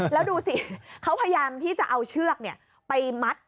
แล้วดูสิเขาพยายามที่จะเอาเชือกไปมัด